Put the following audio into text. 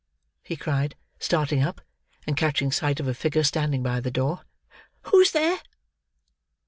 he cried, starting up, and catching sight of a figure standing by the door. "Who's there?"